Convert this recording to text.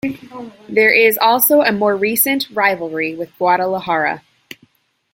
There is also a more recent rivalry with Guadalajara.